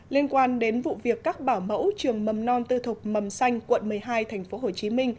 liên quan đến vụ việc các bảo mẫu trường mầm non tư thục mầm xanh quận một mươi hai tp hcm